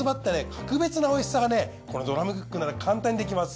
格別なおいしさがねこのドラムクックなら簡単にできます。